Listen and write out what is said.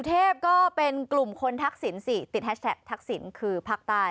เทพก็เป็นกลุ่มคนทักษิณสิติดแฮชแท็กทักษิณคือภาคใต้